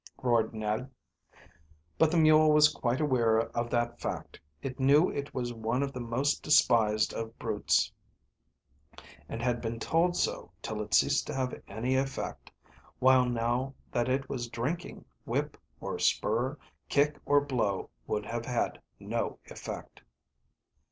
roared Ned. But the mule was quite aware of that fact. It knew it was one of the most despised of brutes, and had been told so till it ceased to have any effect, while now that it was drinking, whip or spur, kick or blow would have had no effect.